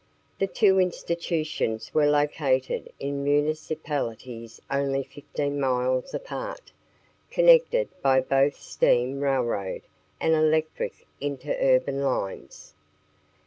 The two institutions were located in municipalities only fifteen miles apart, connected by both steam railroad and electric interurban lines.